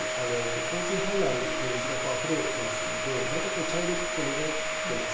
洪水氾濫の水があふれていますので大体茶色く濁っています。